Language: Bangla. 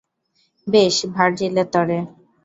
বেশ, ভার্জিলের তরে।